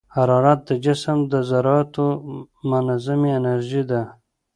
حرارت د جسم د ذراتو منځنۍ انرژي ده.